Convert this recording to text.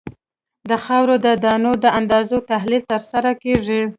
د خاورې د دانو د اندازې تحلیل ترسره کیږي